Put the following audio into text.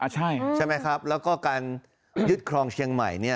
ใช่ไหมครับแล้วก็การยึดครองเชียงใหม่เนี่ย